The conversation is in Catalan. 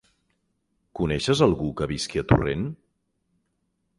Coneixes algú que visqui a Torrent?